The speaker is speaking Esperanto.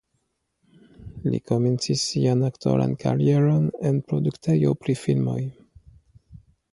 Li komencis sian aktoran karieron en produktejo pri filmoj.